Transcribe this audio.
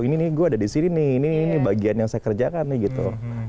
ini nih gue ada di sini nih ini bagian yang saya kerjakan nih gitu